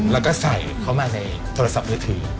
แล้วก็ใส่เข้ามาในโทรศัพท์มือถือ